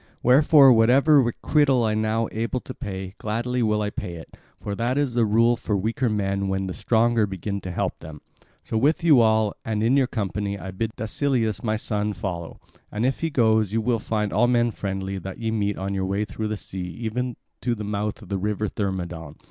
Wherefore whatever requital I am now able to pay, gladly will I pay it, for that is the rule for weaker men when the stronger begin to help them. So with you all, and in your company, I bid Dascylus my son follow; and if he goes, you will find all men friendly that ye meet on your way through the sea even to the mouth of the river Thermodon.